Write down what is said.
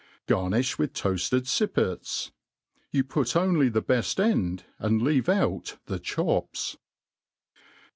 Garnifti with toafted fippets; You pu^oniy the beft end, an^d leave out the chops.